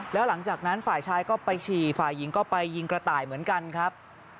แล้วหลังจากนั้นฝ่ายชายก็ไปฉี่ฝ่ายหญิงก็ไปยิงกระต่ายเหมือนกันครับ